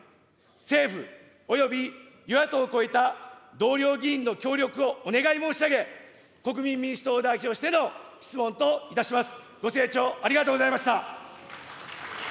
政府、および与野党を超えた同僚議員の協力をお願い申し上げ、国民民主党を代表しての質問といたします。